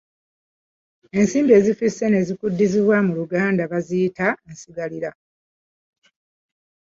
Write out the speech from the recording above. Ensimbi ezifisse ne zikuddizibwa mu luganda baziyita Nsigalira.